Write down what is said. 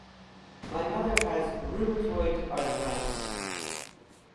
My mother has rheumatoid arthritis.